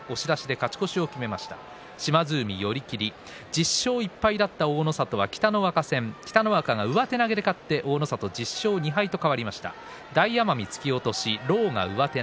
１０勝１敗だった大の里は北の若戦北の若が上手投げで勝って大の里は１０勝２敗と変わりました。